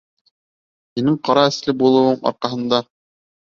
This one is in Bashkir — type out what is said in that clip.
Һинең ҡара эсле булыуың арҡаһында...